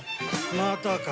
またか。